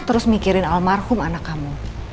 terus mikirin almarhum anak kamu